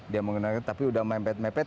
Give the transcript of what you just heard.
dia mengenalkan tapi udah mempet mepet